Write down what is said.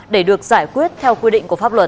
để được giải quyết theo quy định của pháp luật